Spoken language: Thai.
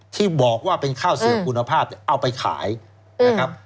ที่บอกว่าเป็นข้าวเสื่อมคุณภาพเนี่ยเอาไปขายนะครับ